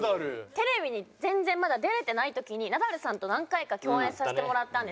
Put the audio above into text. テレビに全然まだ出れてない時にナダルさんと何回か共演させてもらったんですよ。